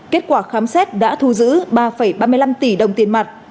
kết quả khám xét đã thu giữ ba ba mươi năm tỷ đồng tiền mặt